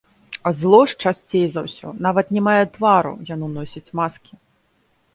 Зло ж, часцей за ўсё, нават не мае твару, яно носіць маскі.